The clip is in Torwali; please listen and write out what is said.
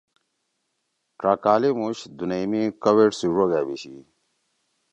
ڇا کالے مُوش دُونئی می کویڈ سی ڙوگ أبیشی۔